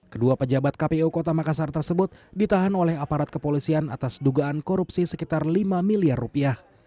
kedua pejabat kpu kota makassar tersebut ditahan oleh aparat kepolisian atas dugaan korupsi sekitar lima miliar rupiah